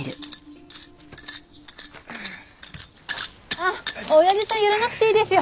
あっおやじさんはやらなくていいですよ。